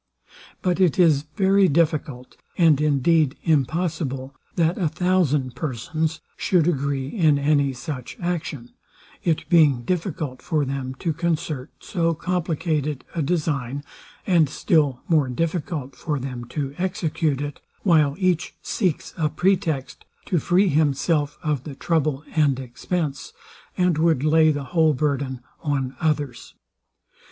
But it is very difficult, and indeed impossible, that a thousand persons should agree in any such action; it being difficult for them to concert so complicated a design, and still more difficult for them to execute it; while each seeks a pretext to free himself of the trouble and expence, and would lay the whole burden on others.